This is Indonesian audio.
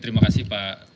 terima kasih pak